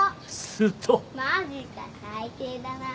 マジか最低だな。